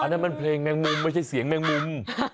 นั่นมันเพลงแมงมุมไม่ใช่เสียงแมงมุม